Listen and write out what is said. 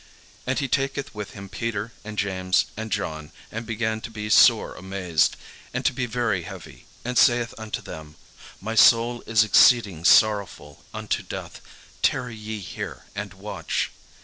And he taketh with him Peter and James and John, and began to be sore amazed, and to be very heavy; and saith unto them, "My soul is exceeding sorrowful unto death: tarry ye here, and watch."